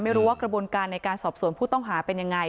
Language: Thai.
ไม่รู้ว่ากระบวนการในการสอบสวนผู้ต้องหาเป็นยังไง